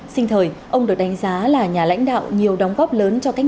sinh thời ông được đánh giá là nhà lãnh đạo nhiều đóng góp lớn cho cách mạng